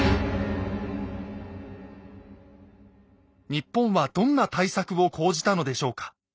日本はどんな対策を講じたのでしょうか。